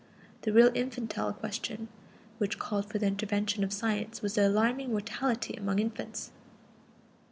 The real infantile question which called for the intervention of science was the alarming mortality among infants.